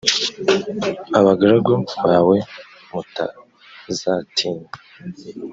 abagaragu bawe mutazatinya